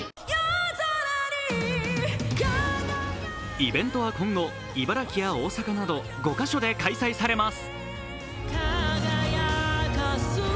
イベントは今後、茨城や大阪など５か所で開催されます。